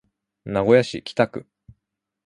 名古屋市北区